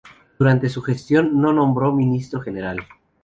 Durante su gestión no nombró ministro general.